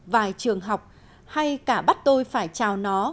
vài trường học hay cả bắt tôi phải chào nó